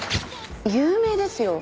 有名ですよ。